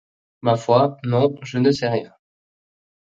Ma foi, non, je ne sais rien.